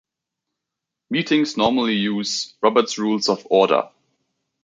Meetings normally use "Robert's Rules of Order".